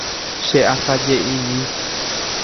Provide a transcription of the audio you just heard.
Cheasaje'imi